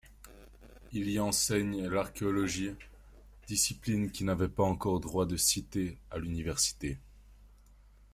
Il y enseigne l'archéologie, discipline qui n'avait pas encore droit de cité à l'université.